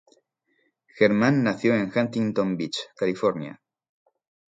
Germán nació en Huntington Beach, California.